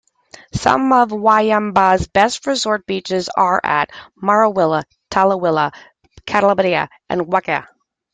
Some of Wayamba's best resort beaches are at Marawila, Talwila, Kalpitiya and Waikkal.